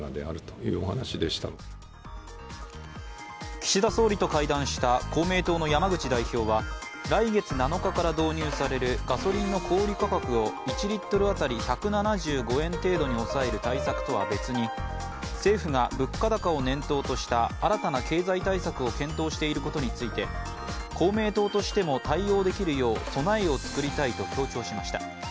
岸田総理と会談した公明党の山口代表は来月７日から導入されるガソリンの小売価格を１リットル当たり１７５円程度に抑える対策とは別に政府が物価高を念頭とした新たな経済対策を検討していることについて公明党としても対応できるよう備えを作りたいと強調しました。